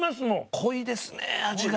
濃いですね味が。